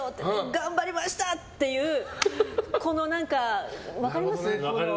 頑張りましたっていうこの何か、分かります？